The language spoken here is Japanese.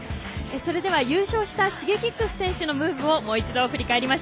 それでは優勝したＳｈｉｇｅｋｉｘ選手のムーブをもう一度振り返ります。